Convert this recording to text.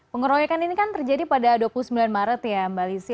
pengeroyokan ini kan terjadi pada dua puluh sembilan maret ya mbak lizzie